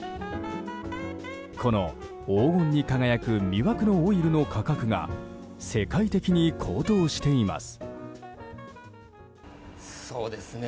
この黄金に輝く魅惑のオイルの価格が世界的に高騰しています。